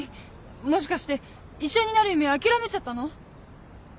もしかして医者になる夢諦めちゃったの？